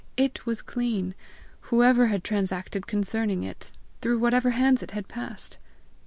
it was clean, whoever had transacted concerning it, through whatever hands it had passed!